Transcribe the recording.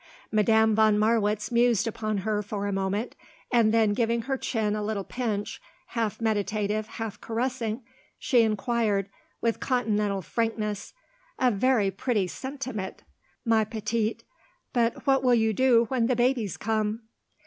Madame von Marwitz mused upon her for a moment and then giving her chin a little pinch, half meditative, half caressing, she inquired, with Continental frankness: "A very pretty sentiment, ma petite, but what will you do when the babies come?"